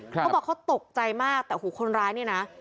เขาบอกเขาตกใจมากแต่หูคนร้ายเนี่ยนะ